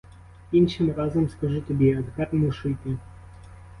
Іншим разом скажу тобі, а тепер мушу йти!